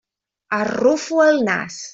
Arrufo el nas.